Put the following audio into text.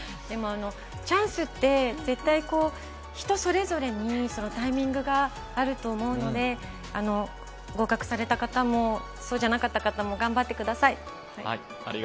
でも、チャンスって絶対人それぞれにタイミングがあると思うので合格された方もそうじゃなかった方も頑張ってください。